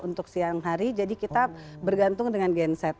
untuk siang hari jadi kita bergantung dengan genset